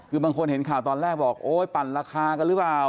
คือบางคนเห็นข่าวตอนแรกบอกโอ๊ยปั่นราคากันหรือเปล่า